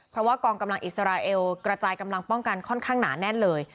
เพราะว่ากองกำลังอิสราเอลกระจายกำลังป้องกันค่อนข้างหนาแน่นเลย